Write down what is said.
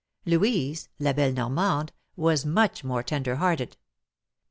Louise — La belle Normande — was much more tender hearted.